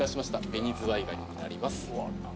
紅ズワイガニになります。